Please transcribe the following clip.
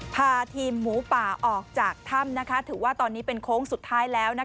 พาทีมหมูป่าออกจากถ้ำถือว่าตอนนี้เป็นโค้งสุดท้ายแล้ว